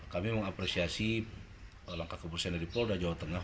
kami mengapresiasi langkah kepolisian dari polda jawa tengah